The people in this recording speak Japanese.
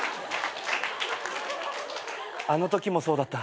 あのときもそうだった。